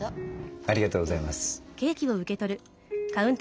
ありがとうございます。